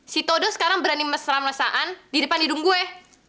si todo sekarang berani mesra mesaan di depan hidung gue